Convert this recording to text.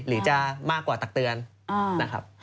หรือจะมากกว่าตักเตือนนะครับ